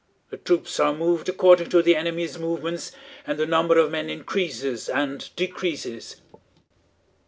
The troops are moved according to the enemy's movements and the number of men increases and decreases...."